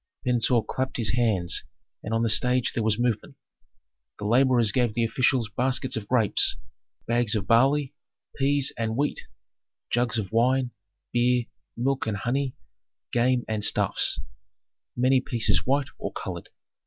Pentuer clapped his hands and on the stage there was movement. The laborers gave the officials baskets of grapes, bags of barley, peas and wheat, jugs of wine, beer, milk and honey, game and stuffs, many pieces white or colored.